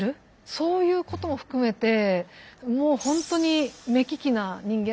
そういうことも含めてもうほんとに目利きな人間だなって感心しますね。